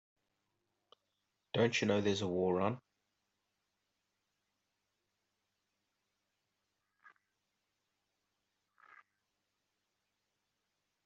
Don't you know there's a war on?